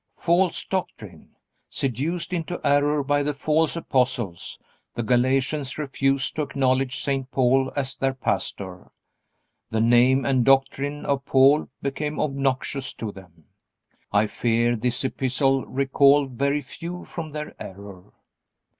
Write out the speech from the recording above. False doctrine. Seduced into error by the false apostles, the Galatians refused to acknowledge St. Paul as their pastor. The name and doctrine of Paul became obnoxious to them. I fear this Epistle recalled very few from their error.